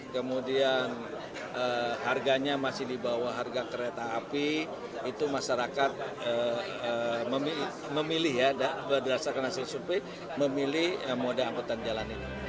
kemudian harganya masih di bawah harga kereta api itu masyarakat memilih ya berdasarkan hasil survei memilih moda angkutan jalan ini